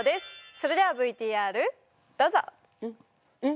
それではＶＴＲどうぞうん？